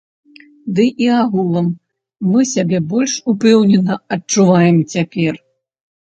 Ды і агулам, мы сябе больш упэўнена адчуваем цяпер.